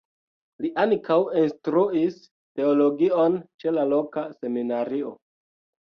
Li ankaŭ instruis teologion ĉe la loka seminario.